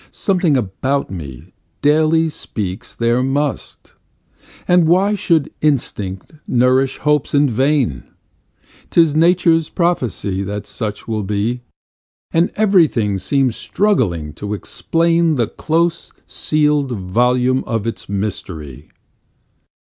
Something about me daily speaks there must, And why should instinct nourish hopes in vain? 'Tis nature's prophesy that such will be, And everything seems struggling to explain The close sealed volume of its mystery.